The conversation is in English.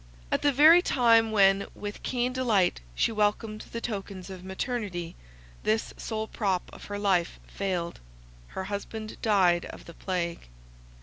At the very time when with keen delight she welcomed the tokens of maternity, this sole prop of her life failed, her husband died of the plague.